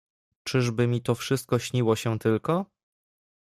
"Czyż by mi to wszystko śniło się tylko?"